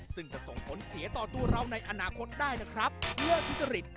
ซึ่งจะส่งผลเสียต่อตัวเราในอนาคตได้นะครับเพื่อทุจริต